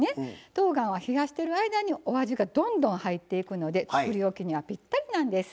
とうがんは冷やしてる間にお味がどんどん入っていくのでつくりおきにはぴったりなんです。